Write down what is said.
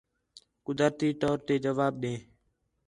قدرتی طور تے جواب ݙے